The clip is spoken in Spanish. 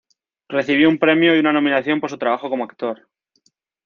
Recibió un Premio y una Nominación por su trabajo como actor.